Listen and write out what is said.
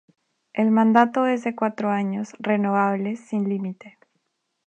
El mandato es de cuatro años renovables sin límite.